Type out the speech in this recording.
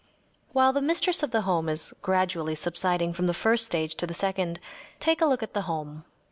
While the mistress of the home is gradually subsiding from the first stage to the second, take a look at the home.